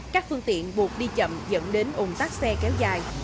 các phương tiện buộc đi chậm dẫn đến ủng tắc xe kéo dài